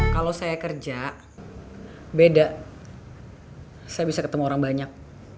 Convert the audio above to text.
kalau saya kerja beda saya bisa ketemu orang banyak